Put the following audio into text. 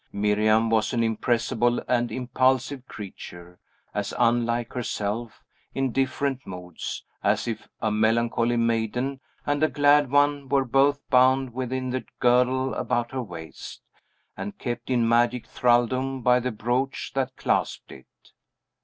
Miriam was an impressible and impulsive creature, as unlike herself, in different moods, as if a melancholy maiden and a glad one were both bound within the girdle about her waist, and kept in magic thraldom by the brooch that clasped it.